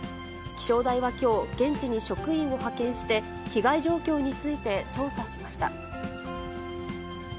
気象台はきょう、現地に職員を派遣して、被害状況について調査しました。